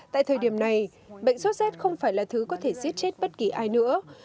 tại thời điểm này bệnh sốt rét không phải là thứ có thể giết chết bất kỳ ai nữa